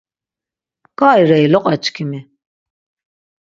Ǩai rei loqaçkimi?